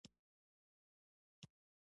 موږ همېشه د بل د ګټو ښکار سوي یو.